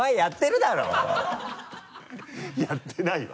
やってないわ。